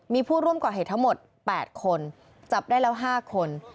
มีผู้ร่วมก่อเหตุทั้งหมด๘คนจับได้แล้ว๕คน